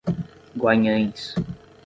Guanhães